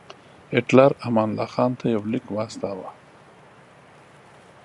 هیټلر امان الله خان ته یو لیک واستاوه.